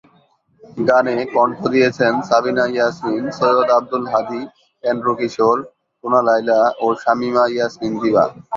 গানে কণ্ঠ দিয়েছেন সাবিনা ইয়াসমিন, সৈয়দ আব্দুল হাদী, এন্ড্রু কিশোর, রুনা লায়লা, ও শামীমা ইয়াসমিন দিবা।